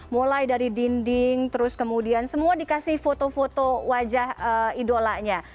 mulai dari dinding terus kemudian semua dikasih foto foto wajah idolanya